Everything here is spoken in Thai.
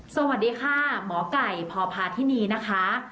สวัสดีค่ะหมอไก่พพาธินีนะคะ